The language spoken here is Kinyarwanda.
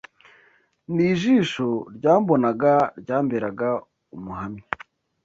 N’ijisho ryambonaga ryamberaga umuhamya,